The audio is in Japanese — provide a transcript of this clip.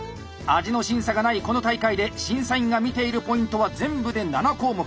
味の審査がないこの大会で審査員が見ているポイントは全部で７項目。